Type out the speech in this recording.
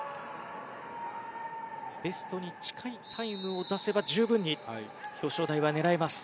ベストに近いタイムを出せば十分に表彰台は狙えます。